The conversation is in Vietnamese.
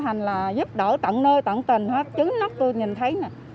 thành là giúp đỡ tận nơi tận tình hết chứng nóc tôi nhìn thấy nè